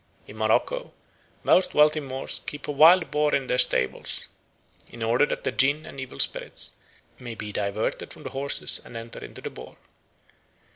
In Morocco most wealthy Moors keep a wild boar in their stables, in order that the jinn and evil spirits may be diverted from the horses and enter into the boar.